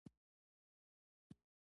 د غاښونو خوږول د اختر په شپه ډېر معمول دی.